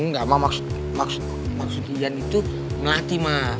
engga ma maksud iyan itu melati ma